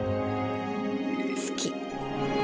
好き。